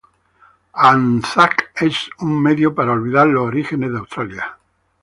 Anzac es un medio para olvidar los orígenes de Australia.